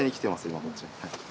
今こっちに。